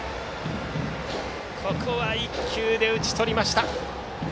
ここは１球で打ち取りました。